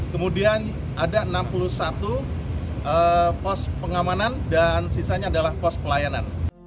kemudian ada enam puluh satu pos pengamanan dan sisanya adalah pos pelayanan